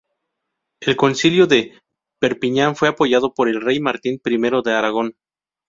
El concilio de Perpiñán fue apoyado por el rey Martín I de Aragón.